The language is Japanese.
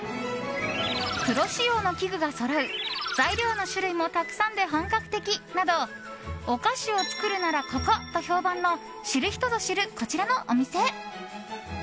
プロ仕様の器具がそろう材料の種類もたくさんで本格的などお菓子を作るならここ！と評判の知る人ぞ知る、こちらのお店。